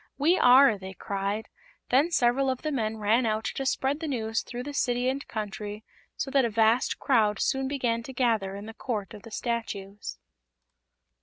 "We are!" they cried. Then several of the men ran out to spread the news throughout the City and Country, so that a vast crowd soon began to gather in the Court of the Statues.